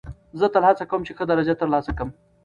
زه تل هڅه کوم، چي ښه درجه ترلاسه کم.